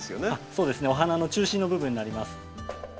そうですねお花の中心の部分になります。